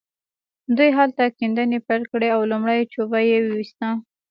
دوی هلته کيندنې پيل کړې او لومړۍ جوپه يې وويسته.